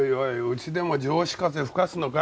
家でも上司風吹かすのかい？